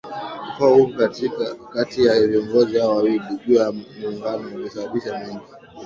Ufa huu kati ya viongozi hao wawili juu ya Muungano ulisababisha mengi